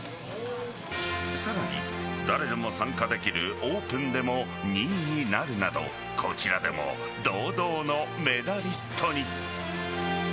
さらに誰でも参加できるオープンでも２位になるなどこちらでも堂々のメダリストに。